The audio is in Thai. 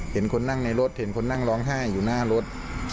คนนั่งในรถเห็นคนนั่งร้องไห้อยู่หน้ารถ